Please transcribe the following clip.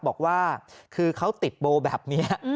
บอกว่าคือเขาติดโบแบบนี้